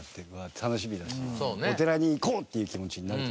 お寺に行こうっていう気持ちになると。